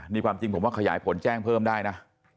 นี่ความจริงผมว่าขยายผลแจ้งเพิ่มได้นะ